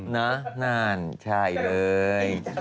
นั่นใช่เลย